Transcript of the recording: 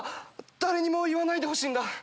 誰にも言わないでほしいんだ。